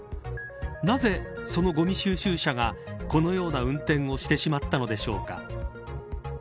なぜ、そのごみ収集車がこのような運転をしてしまったのでしょうか。